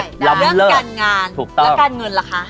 พี่หนุ่มเรื่องการงานแล้วการเงินล่ะคะ